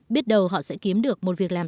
biết đâu họ sẽ kiếm được một việc làm